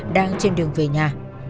đang trên đường về nhà